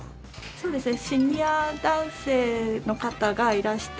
そうですね